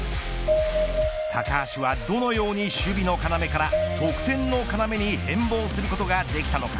高橋は、どのように守備の要から得点の要に変貌することができたのか。